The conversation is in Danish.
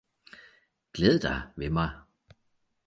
Glæd dig ved mig!